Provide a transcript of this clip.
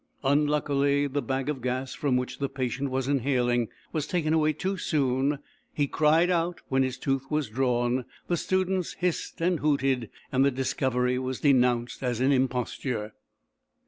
Unluckily, the bag of gas from which the patient was inhaling was taken away too soon; he cried out when his tooth was drawn; the students hissed and hooted; and the discovery was denounced as an imposture.